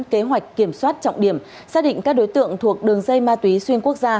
kế hoạch kiểm soát trọng điểm xác định các đối tượng thuộc đường dây ma túy xuyên quốc gia